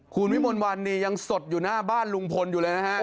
คุณวิมลวันนี่ยังสดอยู่หน้าบ้านลุงพลอยู่เลยนะฮะ